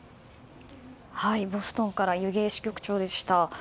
ボストンから弓削支局長でした。